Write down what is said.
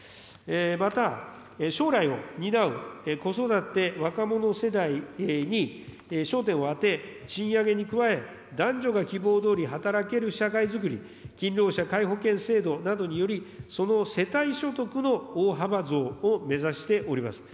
また、将来を担う子育て若者世代に焦点を当て、賃上げに加え、男女が希望どおり働ける社会づくり、勤労者皆保険制度などにより、その世帯所得の大幅増を目指しております。